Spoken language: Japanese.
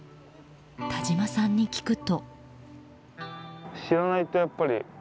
田島さんに聞くと。